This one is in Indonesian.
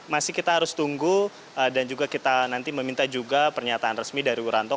masih kita harus tunggu dan juga kita nanti meminta juga pernyataan resmi dari wiranto